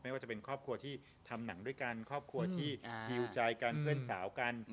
ว่าจะเป็นครอบครัวที่ทำหนังด้วยกันครอบครัวที่ฮิวใจกันเพื่อนสาวกัน